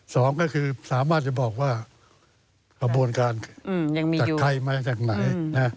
สองก็คือสามารถจะบอกว่ากระบวนการจากใครมาจากไหน